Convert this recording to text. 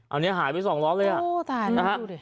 อันนี้หายไปสองล้อเลยโอ้ตายแล้วดูดิ